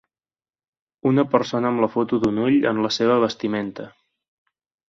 Una persona amb una foto d'un ull en la seva vestimenta.